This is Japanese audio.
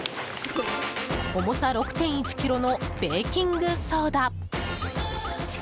重さ６．１ｋｇのベーキングソーダ。